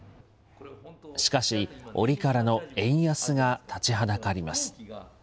しかし、折からの円安が立ちはだかります。